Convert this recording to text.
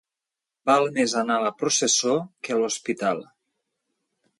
Val més anar a la processó que a l'hospital.